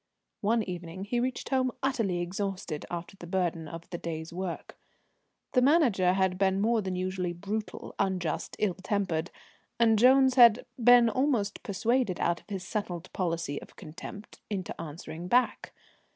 One evening he reached home utterly exhausted after the burden of the day's work. The Manager had been more than usually brutal, unjust, ill tempered, and Jones had been almost persuaded out of his settled policy of contempt into answering back.